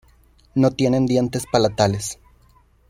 No tienen dientes palatales.